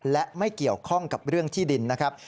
และไม่เกี่ยวข้องกับเรื่องที่ดินนะครับ